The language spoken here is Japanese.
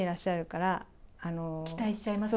期待しちゃいますよね。